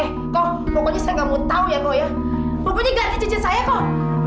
eh koh pokoknya saya nggak mau tahu ya koh ya pokoknya ganti cincin saya koh